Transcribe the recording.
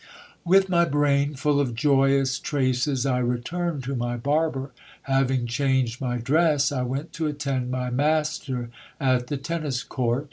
With my brain full of joyous traces, I returned to my barber. Having changed my dress, I went to attend my master at the tennis court.